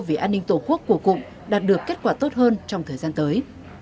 vì an ninh tổ quốc của cụm đạt được kết quả tốt hơn trong thời gian tới